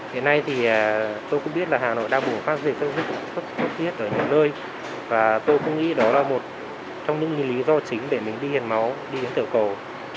hiện nay thì tôi cũng biết là hà nội đang bùng phát dịch sốt huyết ở nhiều nơi và tôi cũng nghĩ đó là một trong những lý do chính để mình đi hiển máu đi đến tiểu cầu